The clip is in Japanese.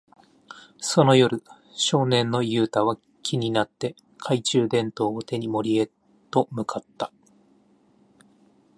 その夜、少年のユウタは気になって、懐中電灯を手に森へと向かった。